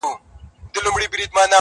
o اوس لا د گرانښت څو ټكي پـاتــه دي.